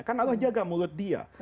kan allah jaga mulut dia